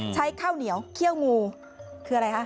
ข้าวเหนียวเขี้ยวงูคืออะไรคะ